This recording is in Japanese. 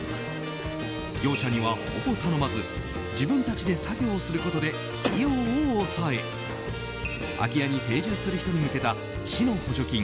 業者には、ほぼ頼まず自分たちで作業をすることで費用を抑え空き家に定住する人に向けた市の補助金